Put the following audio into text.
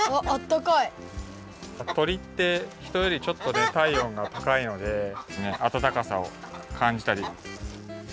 とりってひとよりちょっとたいおんが高いのであたたかさをかんじたり。